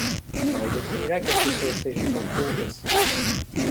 Não é de admirar que as pessoas sejam tão poucas